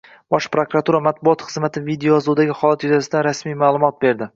Bosh prokuratura matbuot xizmati videoyozuvdagi holat yuzasidan rasmiy ma’lumot berdi